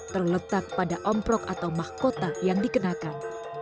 terletak pada omprok atau mahkota yang dikenakan